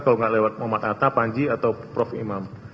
kalau nggak lewat muhammad atta panji atau prof imam